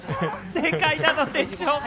正解なのでしょうか？